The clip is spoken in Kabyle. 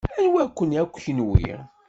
Anwa-ken akk kenwi?